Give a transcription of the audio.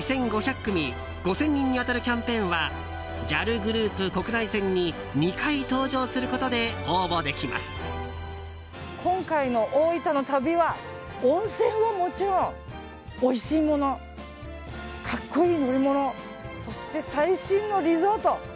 ２５００組５０００人に当たるキャンペーンはＪＡＬグループ国内線に２回搭乗することで今回の大分の旅は温泉はもちろん、おいしいもの格好いい乗り物そして最新のリゾート。